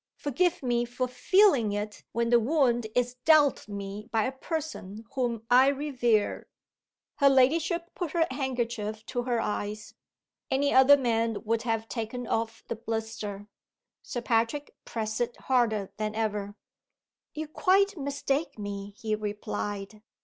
Forgive me for feeling it when the wound is dealt me by a person whom I revere." Her ladyship put her handkerchief to her eyes. Any other man would have taken off the blister. Sir Patrick pressed it harder than ever. "You quite mistake me," he replied.